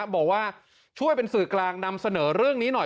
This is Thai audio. บอกว่าช่วยเป็นสื่อกลางนำเสนอเรื่องนี้หน่อย